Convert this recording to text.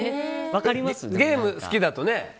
ゲーム好きだとね。